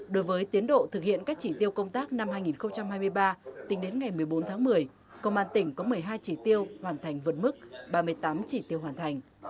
đối với tiến độ thực hiện các chỉ tiêu công tác năm hai nghìn hai mươi ba tính đến ngày một mươi bốn tháng một mươi công an tỉnh có một mươi hai chỉ tiêu hoàn thành vượt mức ba mươi tám chỉ tiêu hoàn thành